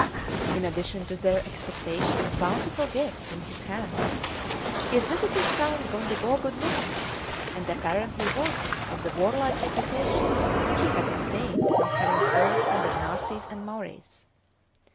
In addition to their expectation of bountiful gifts from his hands, his visitors found Gondebaud good looking, and apparently worthy of the warlike reputation he had obtained from having served under Narses and Maurice.